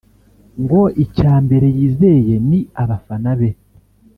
ngo icya mbere yizeye ni abafana be